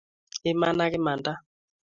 iman ak imanda